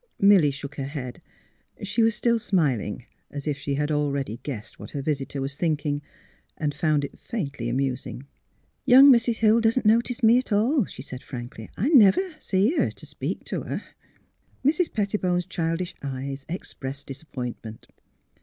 Milly shook her head. She was still smiling, as if she already guessed what her \dsitor was think ing and found it faintly amusing. " Young Mrs. Hill doesn't notice me at all," she sai.d, frankly. " I never see her to speak to her." Mrs. Pettibone 's childish eyes expressed disap pointment.